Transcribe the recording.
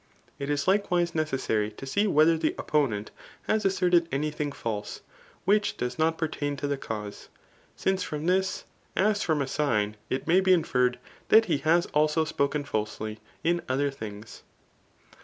It is likewise necessary to see whether the oppo nent has asserted any thing false, which does not pert^dn to the cause ; since from this, as from a sign, it may be inferred that he has also spoken falsely in other things.